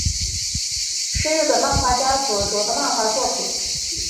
是日本漫画家所着的漫画作品。